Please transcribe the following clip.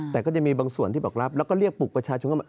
แต่ก็จะมีบางส่วนที่บอกรับแล้วก็เรียกปลุกประชาชนเข้ามา